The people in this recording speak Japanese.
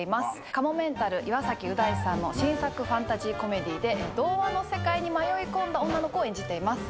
かもめんたる・岩崎う大さんの新作ファンタジーコメディーで童話の世界に迷い込んだ女の子を演じています。